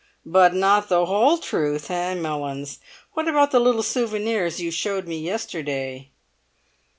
"But not the whole truth, eh, Mullins! What about the little souvenirs you showed me yesterday?"